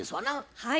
はい。